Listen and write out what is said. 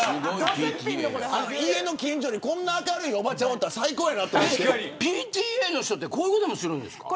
家の近所に、こんな明るいおばちゃんがおったらＰＴＡの人はこういうこともするんですか。